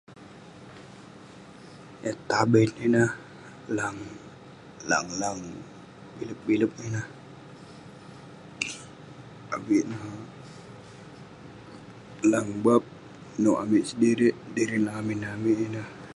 Yah taben ineh, lang- lang-lang bilep bilep ineh, avik neh lang bap nouk amik sedirik dirin lamin amik ineh.